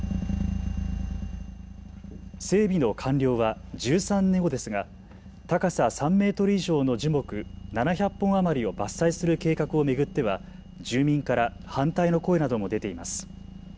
整備の完了は１３年後ですが、高さ３メートル以上の樹木７００本余りを伐採する計画を巡っては住民から反対の声なども出ています。